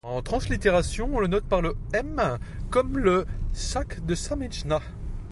En translittération, on le note par -ṃ-, comme dans संज्ञा saṃjñā.